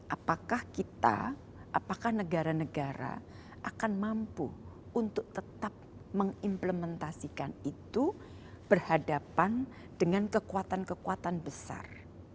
apakah kita apakah negara negara akan mampu untuk tetap mengimplementasikan itu berhadapan dengan kekuatan kekuatan besar